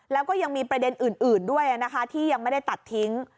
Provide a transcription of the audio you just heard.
แล้วก็ยังมีประเด็นอื่นด้วยนะคะที่ยังไม่ได้ตัดทิ้ง